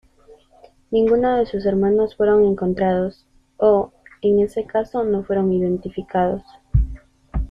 Ninguno de sus hermanos fueron encontrados o, en ese caso, no fueron identificados.